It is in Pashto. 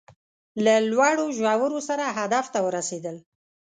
له لوړو ژورو سره هدف ته ورسېدل